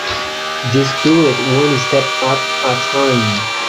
Just do it one step at a time.